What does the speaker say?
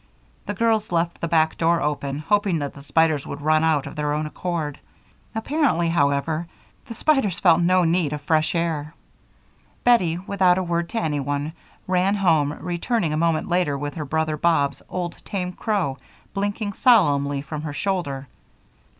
The girls left the back door open, hoping that the spiders would run out of their own accord. Apparently, however, the spiders felt no need of fresh air. Bettie, without a word to anyone, ran home, returning a moment later with her brother Bob's old tame crow blinking solemnly from her shoulder.